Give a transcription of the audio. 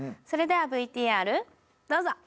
それではＶＴＲどうぞ！